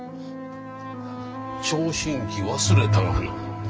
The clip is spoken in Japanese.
聴診器忘れたがな。